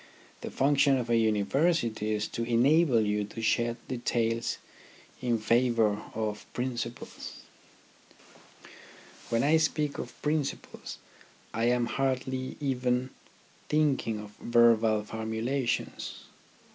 The function of a University is to enable you to shed details in favour of prin 28 THE RHYTHM OF EDUCATION ciples. When I speak of principles I am hardly even thinking of verbal formulations.